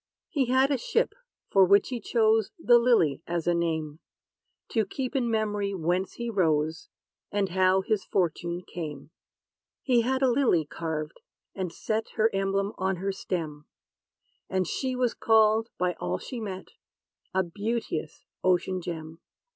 He had a ship, for which he chose "The LILY" as a name, To keep in memory whence he rose, And how his fortune came.' He had a lily carved, and set, Her emblem, on her stem; And she was called, by all she met, A beauteous ocean gem.